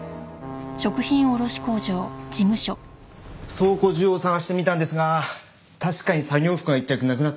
倉庫中を探してみたんですが確かに作業服が１着なくなってますね。